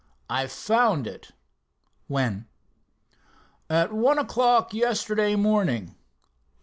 "I found it." "When?" "At one o'clock yesterday morning."